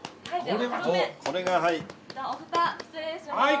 はい！